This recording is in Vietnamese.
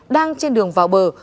đang trên đường vào bờ